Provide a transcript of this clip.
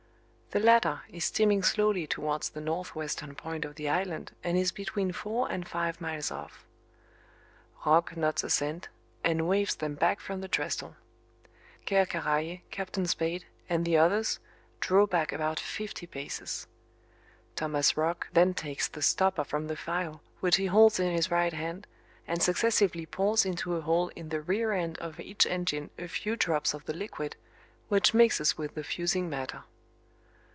The latter is steaming slowly towards the northwestern point of the island and is between four and five miles off. Roch nods assent, and waves them back from the trestle. Ker Karraje, Captain Spade and the others draw back about fifty paces. Thomas Roch then takes the stopper from the phial which he holds in his right hand, and successively pours into a hole in the rear end of each engine a few drops of the liquid, which mixes with the fusing matter.